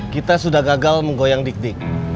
kita sudah gagal menggoyang dik dik